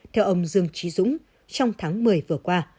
theo ông dương trí dũng trong tháng một mươi vừa qua